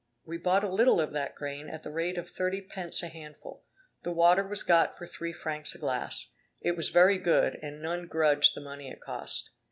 We bought a little of that grain at the rate of thirty pence a handful; the water was got for three francs a glass; it was very good, and none grudged the money it cost.